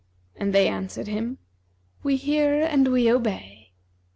And they answered him, 'We hear and we obey!